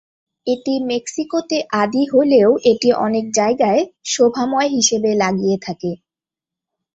এটি মেক্সিকোতে আদি হলেও এটি অনেক জায়গায় শোভাময় হিসাবে লাগিয়ে থাকে।